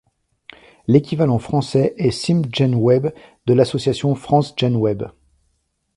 L'équivalent français est CimGenWeb de l'association FranceGenWeb.